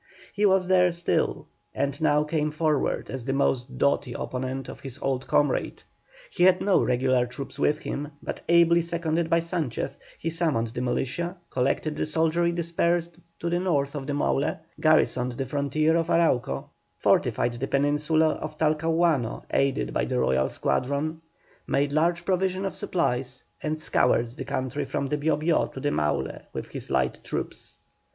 He was there still and now came forward as the most doughty opponent of his old comrade. He had no regular troops with him; but ably seconded by Sanchez, he summoned the militia, collected the soldiery dispersed to the north of the Maule, garrisoned the frontier of Arauco, fortified the Peninsula of Talcahuano, aided by the royal squadron, made large provision of supplies, and scoured the country from the Bio Bio to the Maule with his light troops.